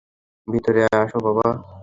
ভিতরে আসো, বাবা।